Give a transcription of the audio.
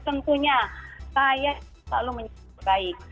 tentunya saya selalu menyebut baik